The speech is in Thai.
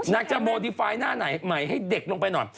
นางจะโมดีไฟล์หน้าไหนใหม่ให้เด็กลงไปหน่อย